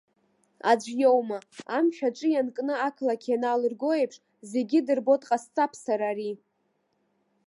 Аӡә иоума, амшә аҿы ианкны ақалақь ианалырго еиԥш, зегьы дырбо дҟасҵап сара ари!